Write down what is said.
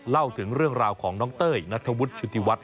เล่าถึงเรื่องราวของน้องเต้ยนัทธวุฒิชุติวัฒน